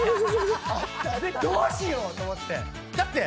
どうしよう⁉と思って。